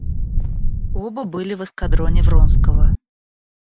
Оба были в эскадроне Вронского.